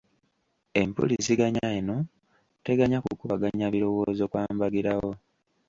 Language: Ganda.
Empuliziganya eno teganya kukubaganya birowoozo kwa mbagirawo.